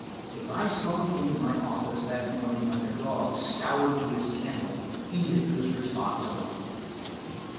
If I slunk into my office that morning like a dog scourged to his kennel, Edith was responsible.